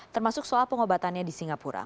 termasuk soal pengobatannya di singapura